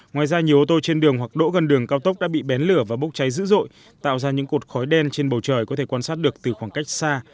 ngoài ra nhiều ô tô trên đường hoặc đỗ gần đường cao tốc đã bị bén lửa và bốc cháy dữ dội tạo ra những cột khói đen trên bầu trời có thể quan sát được từ khoảng cách xa